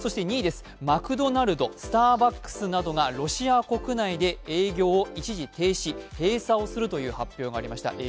２位です、マクドナルド、スターバックスなどがロシア国内で営業を一時停止、閉鎖をするという発表がありました。